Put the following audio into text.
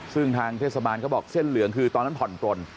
ซึ่งทางเทศบาลเขาบอกเส้นเหลืองคือตอนนั้นผ่อนปลน